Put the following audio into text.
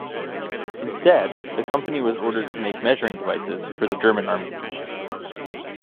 Instead, the company was ordered to make measuring devices for the German Army.